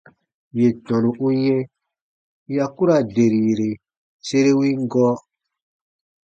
Yè tɔnu u yɛ̃ ya ku ra derire sere win gɔɔ.